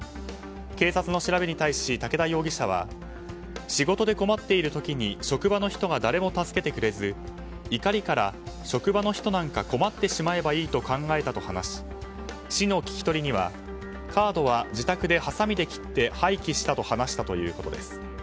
警察の調べに対し、武田容疑者は仕事で困っている時に職場の人が誰も助けてくれず、怒りから職場の人なんか困ってしまえばいいと考えたと話し市の聞き取りにはカードは自宅ではさみで切って廃棄したと話したということです。